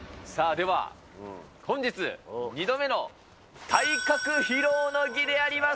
では、本日２度目の体格披露の儀であります。